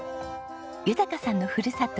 豊さんのふるさと